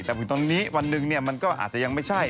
แต่ถึงตอนนี้วันหนึ่งมันก็อาจจะยังไม่ใช่